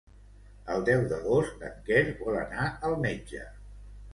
El deu d'agost en Quer vol anar al metge.